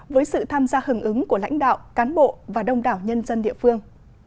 với sự tham gia hưởng ứng của lãnh đạo cán bộ và đông đảo nhân dân địa phương